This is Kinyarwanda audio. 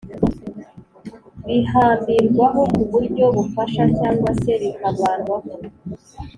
bihambirwaho kuburyo bufasha cg se bikavanwaho